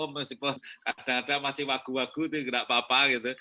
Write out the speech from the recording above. kemudian istrinya jika jadi makmum kadang kadang masih wagu wagu itu tidak apa apa gitu